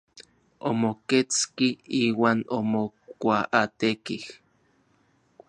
Omoketski iuan omokuaatekij.